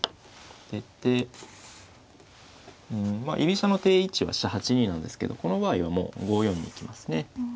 出てまあ居飛車の定位置は飛車８二なんですけどこの場合はもう５四に行きますね。